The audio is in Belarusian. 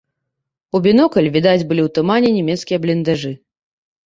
У бінокль відаць былі ў тумане нямецкія бліндажы.